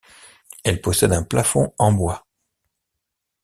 Elle possède un plafond en bois.